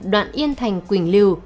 đoạn yên thành quỳnh lưu